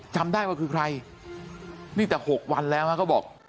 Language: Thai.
จำได้ว่าคือใครนี่แต่๖วันแล้วฮะเขาบอก